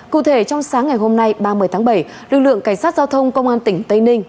cụ thể trong sáng ngày hôm nay ba mươi tháng bảy lực lượng cảnh sát giao thông công an tỉnh tây ninh